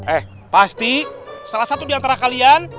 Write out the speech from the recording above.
eh pasti salah satu di antara kalian